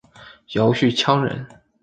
姚绪羌人。